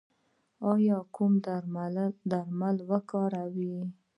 ایا کوم درمل کاروئ؟